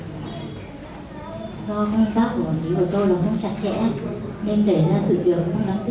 do công tác của quản lý của tôi là không chặt chẽ